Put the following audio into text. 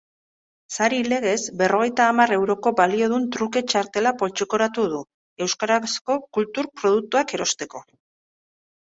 Sari legez, berrogeita hamar euroko baliodun truke txartela poltsikoratuko du, euskarazko kultur produktuak erosteko.